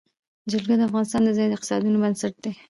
جلګه د افغانستان د ځایي اقتصادونو بنسټ دی.